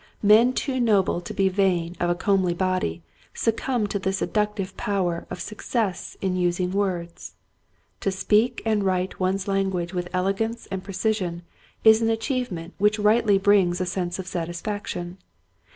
Men too noble to be vain of a comely body succumb to the seductive power of success in using words. To speak and write one's language with elegance and precision is an achievement which rightly brings a sense of satisfaction.